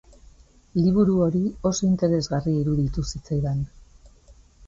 Liburu hori oso interesgarria iruditu zitzaidan.